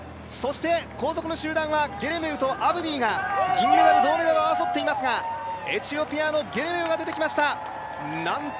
そして後続の集団はゲレメウとアブディが銀メダル、銅メダルを争っていますがエチオピアのゲレメウが出てきました。